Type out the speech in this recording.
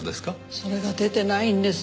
それが出てないんです。